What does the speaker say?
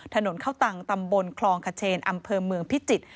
ถนนเข้าตังตำบลคลองขเชนอำเภอเมืองพิจิตร